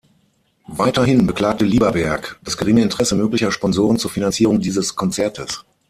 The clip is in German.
Weiterhin beklagte Lieberberg das geringe Interesse möglicher Sponsoren zur Finanzierung dieses Konzertes.